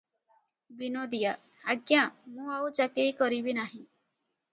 ବିନୋଦିଆ- ଆଜ୍ଞା! ମୁଁ ଆଉ ଚାକିରି କରିବି ନାହିଁ ।